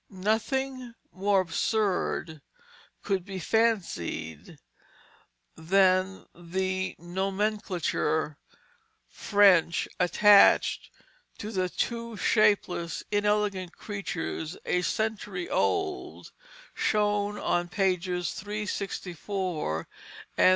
Nothing more absurd could be fancied than the nomenclature "French" attached to the two shapeless, inelegant creatures, a century old, shown on pages 364 and 367.